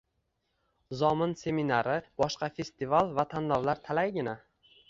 Zomin seminari, boshqa festival va tanlovlar talaygina.